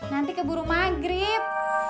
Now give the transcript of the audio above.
nanti keburu maghrib